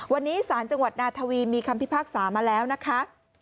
วันนี้ศาลจังหวัดนาทวีมีคำพิพากษามาแล้วนะคะ